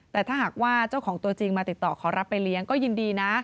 แต่ถ้าหากว่าเจ้าของตัวจริงมาติดต่อขอรับไปเลี้ยงก็ยินดีนะ